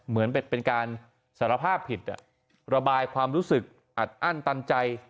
เหมือนเป็นการสารภาพผิดระบายความรู้สึกอัดอั้นตันใจ